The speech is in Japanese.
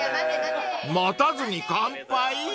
［待たずに乾杯？］